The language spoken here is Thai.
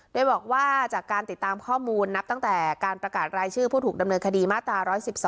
โดยบอกว่าจากการติดตามข้อมูลนับตั้งแต่การประกาศรายชื่อผู้ถูกดำเนินคดีมาตรา๑๑๒